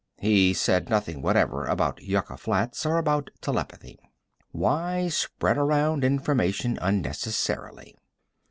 He said nothing whatever about Yucca Flats, or about telepathy. Why spread around information unnecessarily?